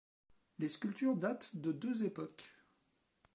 Les sculptures datent de deux époques.